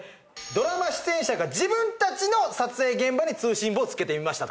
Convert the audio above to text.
ドラマ出演者が自分たちの撮影現場に通信簿を付けてみましたという。